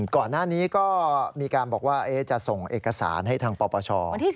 ก่อนหน้านี้ก็มีการบอกว่าจะส่งเอกสารให้ทางปปช